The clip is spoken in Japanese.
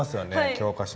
教科書に。